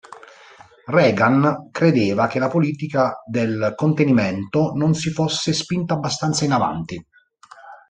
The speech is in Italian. Reagan credeva che la politica del contenimento non si fosse spinta abbastanza in avanti.